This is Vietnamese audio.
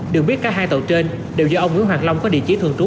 được biết cả hai tàu trên đều do ông nguyễn hoàng long có địa chỉ thường trú